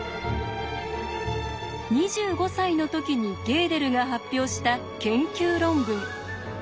２５歳の時にゲーデルが発表した研究論文。